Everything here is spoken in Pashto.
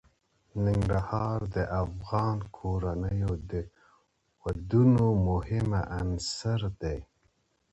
ننګرهار د افغان کورنیو د دودونو مهم عنصر دی.